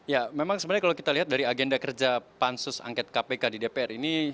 ya memang sebenarnya kalau kita lihat dari agenda kerja pansus angket kpk di dpr ini